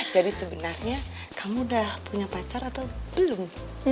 jadi sebenernya kamu udah punya pacar atau belum